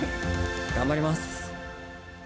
頑張ります。